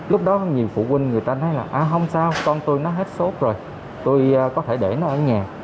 lúc đó nhiều phụ huynh người ta nói là à không sao con tôi nó hết sốt rồi tôi có thể để nó ở nhà